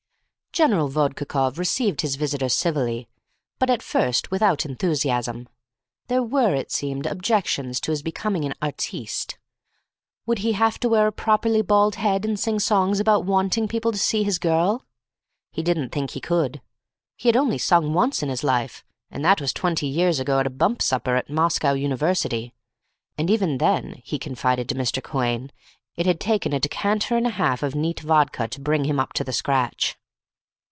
General Vodkakoff received his visitor civilly, but at first without enthusiasm. There were, it seemed, objections to his becoming an artiste. Would he have to wear a properly bald head and sing songs about wanting people to see his girl? He didn't think he could. He had only sung once in his life, and that was twenty years ago at a bump supper at Moscow University. And even then, he confided to Mr. Quhayne, it had taken a decanter and a half of neat vodka to bring him up to the scratch.